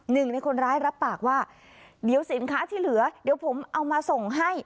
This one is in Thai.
หนึ่งในคนร้ายรับปากว่าเดี๋ยวสินค้าที่เหลือเดี๋ยวผมเอามาส่งให้